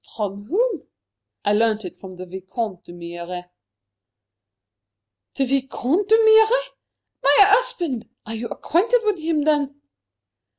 From whom?" "I learnt it from the Vicomte d'Humières." "The Vicomte d'Humières! My husband! Are you acquainted with him, then?"